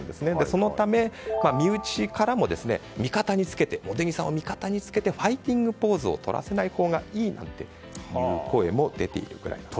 そのため、身内からも茂木さんを味方につけてファイティングポーズを取らせないほうがいいという声も出ているくらいなんです。